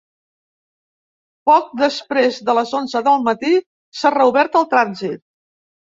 Poc després de les onze del matí s’ha reobert al trànsit.